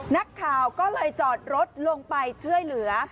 นักข่าวก็เลยจอดรถลงไปช่วยเหลือ